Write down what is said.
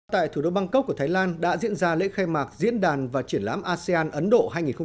tại thủ đô bangkok của thái lan đã diễn ra lễ khai mạc diễn đàn và triển lãm asean ấn độ hai nghìn hai mươi